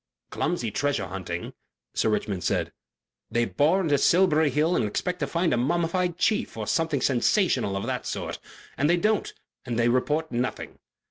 "Clumsy treasure hunting," Sir Richmond said. "They bore into Silbury Hill and expect to find a mummified chief or something sensational of that sort, and they don't, and they report nothing.